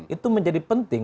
itu menjadi penting